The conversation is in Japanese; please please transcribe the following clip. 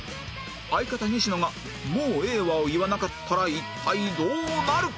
相方西野が「もうええわ」を言わなかったら一体どうなる？